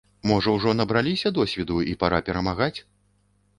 Можа, ужо набраліся досведу і пара перамагаць?